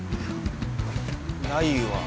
ないわ。